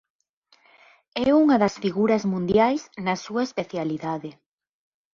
É unha das figuras mundiais na súa especialidade.